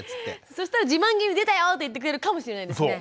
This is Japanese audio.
そしたら自慢げに「出たよ！」って言ってくれるかもしれないですね。